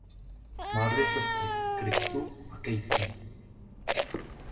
Má dvě sestry Kristu a Katie.